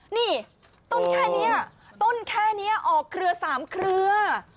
ต้นแค่นี้อ๋อเขือสามเขือ